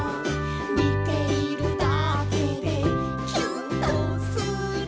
「みているだけでキュンとする」